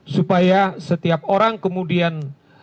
supaya setiap orang kemudian